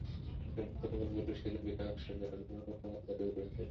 তাঁদের বক্তব্য হলো পুলিশ সেদিন বিনা উসকানিতে আন্দোলনকারীদের ওপর ঝাঁপিয়ে পড়েছে।